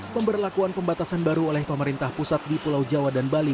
pemberlakuan pembatasan baru oleh pemerintah pusat di pulau jawa dan bali